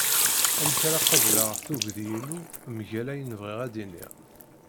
Amek ara qabeleɣ tugdi-inu mgal ayen bɣiɣ ad d-iniɣ?